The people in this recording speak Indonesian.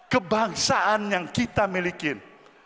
kebangsaan yang kita milikin